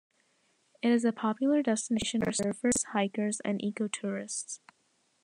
It is a popular destination for surfers, hikers and ecotourists.